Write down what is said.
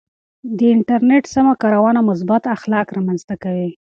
د انټرنیټ سمه کارونه مثبت اخلاق رامنځته کوي.